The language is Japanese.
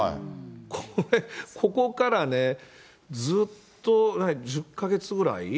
これ、ここからね、ずっと何、１０か月ぐらい？